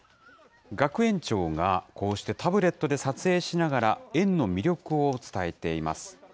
学園長がこうしてタブレットで撮影しながら園の魅力を伝えています。